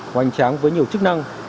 hoành tráng với nhiều chức năng